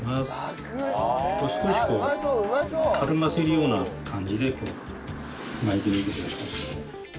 少しこうたるませるような感じで巻いてみてください。